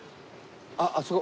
あっあそこ。